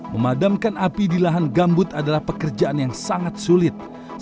memadamkan api di lahan gambut adalah pekerjaan yang sangat sulit